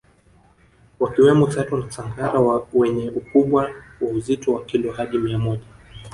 Wakiwemo Sato na Sangara wenye ukubwa wa uzito wa kilo hadi mia moja